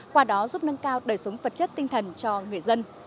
qua đó giúp nâng cao đời sống vật chất tinh thần cho người dân